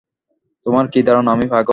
তোমার কি ধারণা, আমি পাগল?